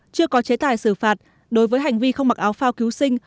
chưa có chế tài xử phạt đối với hành vi không mặc áo phao cứu sinh